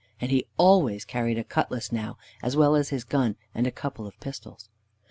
And he always carried a cutlass now, as well as his gun and a couple of pistols.